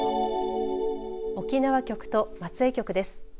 沖縄局と松江局です。